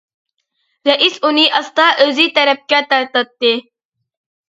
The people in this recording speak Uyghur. رەئىس ئۇنى ئاستا ئۆزى تەرەپكە تارتاتتى.